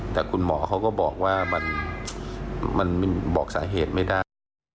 แต่คุณหมอเขาก็บอกว่ามันบอกสาเหตุไม่ได้